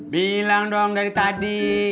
bilang dong dari tadi